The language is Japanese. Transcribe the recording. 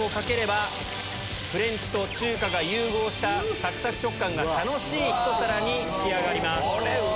フレンチと中華が融合したサクサク食感が楽しいひと皿に仕上がります。